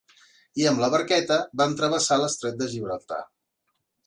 I amb la barqueta van travessar l’estret de Gibraltar.